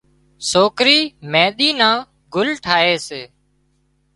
سوڪري مينۮِي نان گُل ٺاهي سي